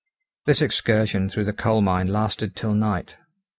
This excursion through the coal mine lasted till night.